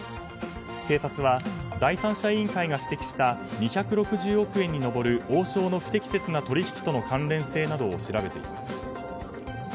警察は第三者委員会が指摘した２６０億円に上る王将の不適切な取引との関連性などを調べています。